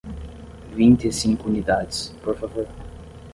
Vinte e cinco unidades, por favor.